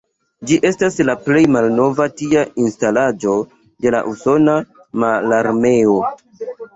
Ĝi estas la plej malnova tia instalaĵo de la usona mararmeo.